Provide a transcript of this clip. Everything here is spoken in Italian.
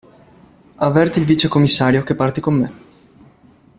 Avverti il vicecommissario che parti con me.